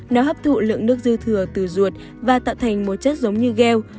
nó hấp thụ lượng nước dư thừa từ ruột và tạo thành một chất giống như gheo